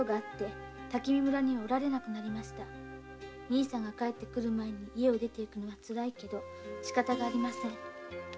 兄さんが帰って来る前に家を出るのはつらいけどしかたありません」